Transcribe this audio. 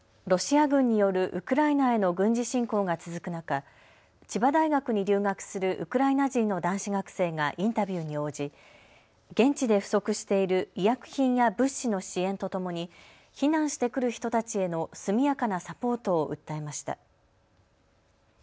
ロシア軍によるウクライナへの軍事侵攻が続く中、千葉大学に留学するウクライナ人の男子学生がインタビューに応じ現地で不足している医薬品や物資の支援とともに避難してくる人たちへの速やかなサポートを訴えました。